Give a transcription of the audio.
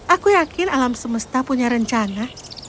aku yakin alam semesta punya rencana